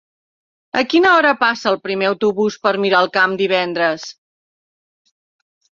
A quina hora passa el primer autobús per Miralcamp divendres?